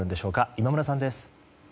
今村さんです。